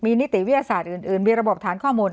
นิติวิทยาศาสตร์อื่นมีระบบฐานข้อมูล